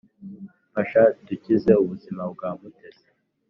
mfasha dukize ubuzima bwa mutesi